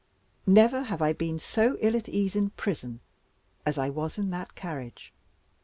Never have I been so ill at ease in prison, as I was in that carriage.